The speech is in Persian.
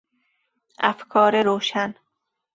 افکار روشن